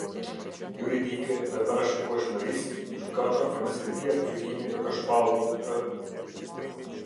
Juridike dhe parashikueshmërisë, Gjykata, përmes këtij Aktgjykimi do të shpallë të.